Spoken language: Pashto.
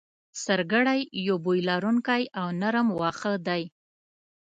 سرګړی یو بوی لرونکی او نرم واخه دی